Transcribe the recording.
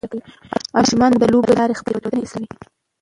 ماشومان د لوبو له لارې خپلې تیروتنې اصلاح کوي.